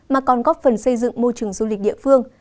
mà còn góp phần xây dựng môi trường du lịch địa phương